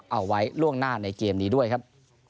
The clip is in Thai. เอาไว้ล่วงหน้าในเกมนี้ด้วยครับ